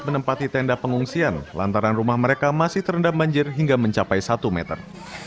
menempati tenda pengungsian lantaran rumah mereka masih terendam banjir hingga mencapai satu meter